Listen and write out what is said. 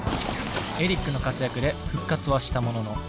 エリックの活躍で復活はしたものの。